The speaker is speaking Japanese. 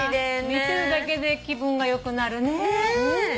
見てるだけで気分が良くなるね。